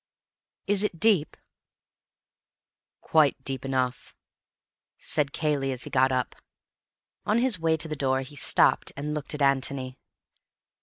"Is it deep?" "Quite deep enough," said Cayley as he got up. On his way to the door he stopped, and looked at Antony.